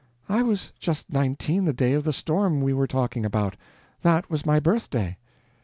"I was just nineteen the day of the storm we were talking about. That was my birthday."